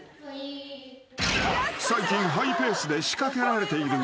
［最近ハイペースで仕掛けられている］